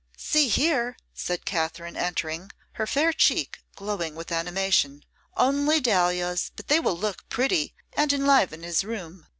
'See here,' said Katherine, entering, her fair cheek glowing with animation, 'only dahlias, but they will look pretty, and enliven his room.